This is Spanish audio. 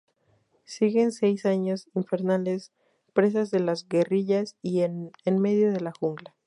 Siguen seis años infernales, presas de las guerrillas en medio de la jungla.